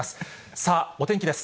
さあ、お天気です。